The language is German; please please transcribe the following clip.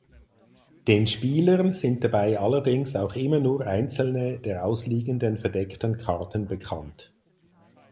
Den Spielern sind dabei allerdings auch immer nur einzelne der ausliegenden verdeckten Karten bekannt.